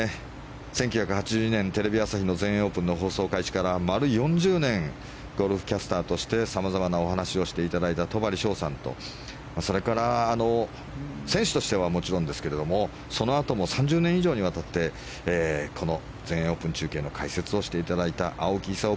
１９８２年、テレビ朝日の全英オープンの放送開始から丸４０年ゴルフキャスターとして様々なお話をしていただいた戸張捷さんと、それから選手としてはもちろんですがそのあとも３０年以上にわたってこの全英オープン中継の解説をしていただいた青木功